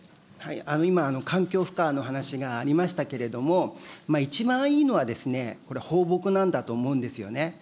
今、環境負荷の話がありましたけれども、一番いいのはこれ、放牧なんだと思うんですよね。